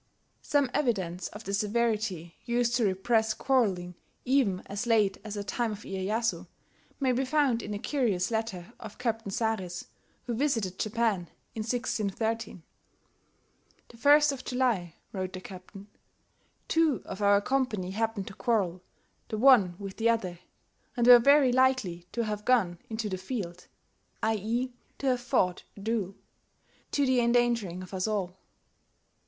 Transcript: Some evidence of the severity used to repress quarrelling even as late as the time of Iyeyasu, may be found in a curious letter of Captain Saris, who visited Japan in 1613. "The first of July," wrote the Captain, "two of our Company happened to quarrell the one with the other, and were very likely to haue gone into the field [i.e. to have fought a duel] to the endangering of vs all.